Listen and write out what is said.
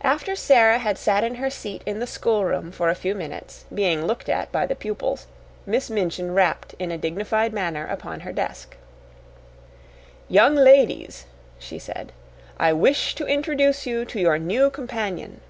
After Sara had sat in her seat in the schoolroom for a few minutes, being looked at by the pupils, Miss Minchin rapped in a dignified manner upon her desk. "Young ladies," she said, "I wish to introduce you to your new companion."